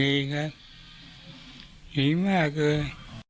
หินครับหินมากเลย